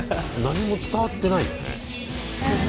何も伝わってないよね。